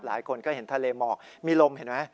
หลายคนก็เห็นทะเลหมอกมีลมเห็นไหม